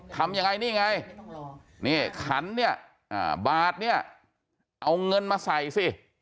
ทำยังไงนี่ไงนี่ขันเนี่ยบาทเนี่ยเอาเงินมาใส่สิ